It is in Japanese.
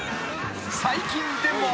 ［最近でも］